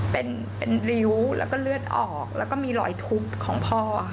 เป็นริ้วแล้วก็เลือดออกแล้วก็มีรอยทุบของพ่อ